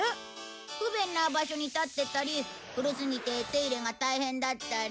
不便な場所に立ってたり古すぎて手入れが大変だったり。